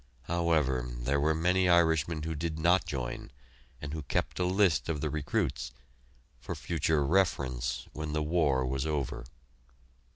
However, there were many Irishmen who did not join, and who kept a list of the recruits for future reference, when the war was over!